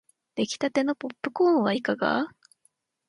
できたてのポップコーンはいかが